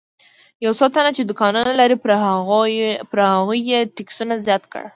یو څو تنه چې دوکانونه لري پر هغوی یې ټکسونه زیات کړي.